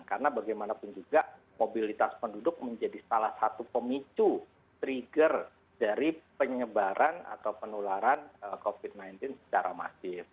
karena bagaimanapun juga mobilitas penduduk menjadi salah satu pemicu trigger dari penyebaran atau penularan covid sembilan belas secara masif